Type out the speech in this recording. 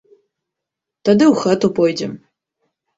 Тады ў хату пойдзем.